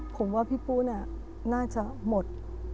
ผมว่าพี่ปุ๊ะเนี่ยน่าจะหมด